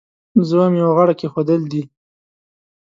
زه وایم یو غاړه کېښودل دي.